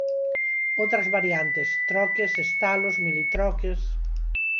Outras variantes: troques, estalos, militroques.